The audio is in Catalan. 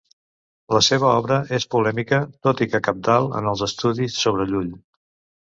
La seva obra és polèmica tot i que cabdal en els estudis sobre Llull.